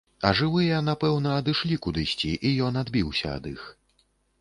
А жывыя, напэўна, адышлі кудысьці, і ён адбіўся ад іх.